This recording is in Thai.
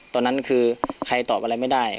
ตอนนั้นคือใครตอบอะไรไม่ได้